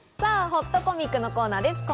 ほっとコミックのコーナーです。